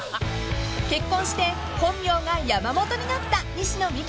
［結婚して本名が山本になった西野未姫さん］